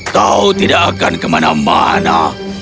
kau tidak akan kemana mana